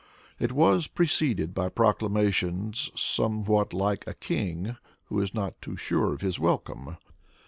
It was preceded by proclamations, somewhat like a king who is not too sure of his welcome.